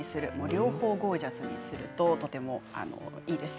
両方ゴージャスにするととてもいいですよ。